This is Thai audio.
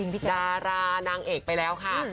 ดารานางเอกไปแล้วค่ะ